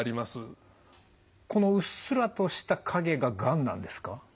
このうっすらとした影ががんなんですか？